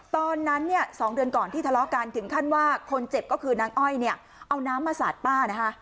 ตอนนั้นเนี่ย๒เดือนก่อนที่ทะเลาะกันถึงขั้นว่าคนเจ็บก็คือนางอ้อยเนี่ยเอาน้ำมาสาดป้านะคะ